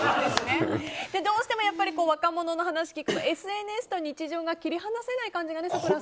どうしてもやっぱり若者の話を聞くとＳＮＳと日常が切り離せない感じがしますよね。